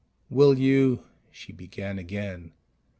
"Will you " she began again.